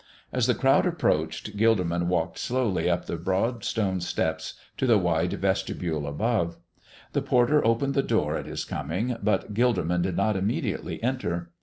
As the crowd approached, Gilderman walked slowly up the broad stone steps to the wide vestibule above. The porter opened the door at his coming, but Gilderman did not immediately enter.